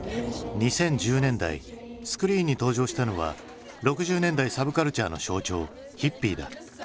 ２０１０年代スクリーンに登場したのは６０年代サブカルチャーの象徴ヒッピーだ。